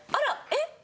えっ？